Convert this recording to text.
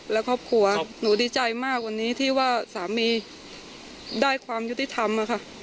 และครอบครัวหนูดีใจมากวันนี้ที่ว่าสามีได้ความยุติธรรมค่ะ